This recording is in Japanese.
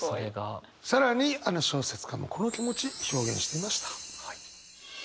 更にあの小説家もこの気持ち表現していました。